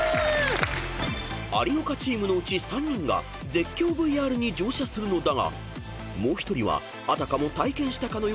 ［有岡チームのうち３人が絶叫ＶＲに乗車するのだがもう１人はあたかも体験したかのように嘘演技］